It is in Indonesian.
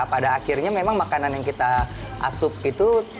pada akhirnya memang makanan yang kita asup itu